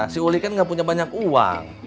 si uli kan nggak punya banyak uang